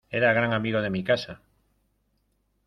era gran amigo de mi casa.